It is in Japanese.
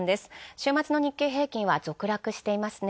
週末の日経平均は続落していますね。